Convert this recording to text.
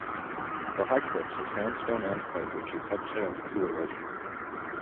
The high cliffs are sandstone and clay which is subject to erosion.